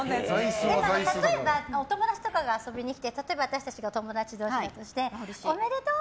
例えば、お友達とかが遊びに来て私たちがお友達同士だとしておめでとう！